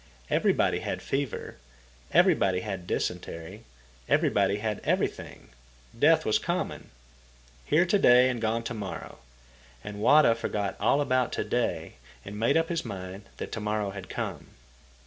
Everybody had fever, everybody had dysentery, everybody had everything. Death was common. Here to day and gone to morrow—and Wada forgot all about to day and made up his mind that to morrow had come.